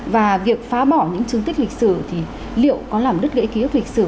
và việc phá bỏ những chứng tích lịch sử thì liệu có làm đứt gãy ký ức lịch sử